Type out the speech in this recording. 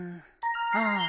ああ。